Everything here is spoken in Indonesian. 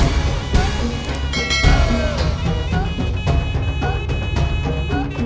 atau tiga orang di belakang